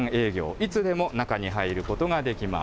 いつでも中に入ることができます。